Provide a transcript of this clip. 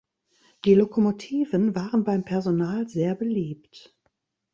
Die Lokomotiven waren beim Personal sehr beliebt.